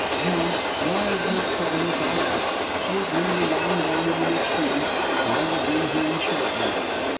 "No, Laura is not so ill as all that; she is merely lying down in the next room and I will bring her in shortly."